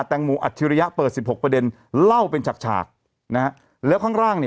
แต่งหมูอเตรีย๑๕ประเด็นเล่าเป็นฉักฉากนะละแล้วข้างล่างนี่